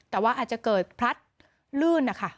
แต่ว่าอาจจะเกิดพลัดลื่นนะคะ